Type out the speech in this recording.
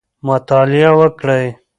مطالعه وکړئ.